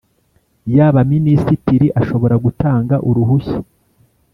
Y abaminisitiri ashobora gutanga uruhushya